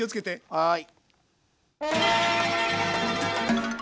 はい。